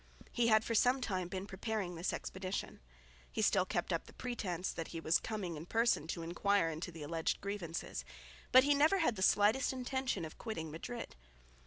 He had for some time been preparing this expedition. He still kept up the pretence that he was coming in person to enquire into the alleged grievances, but he never had the slightest intention of quitting Madrid.